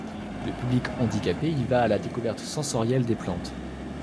Le public handicapé y va à la découverte sensorielle des plantes.